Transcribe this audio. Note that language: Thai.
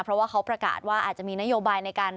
เพราะว่าเขาประกาศว่าอาจจะมีนโยบายในการ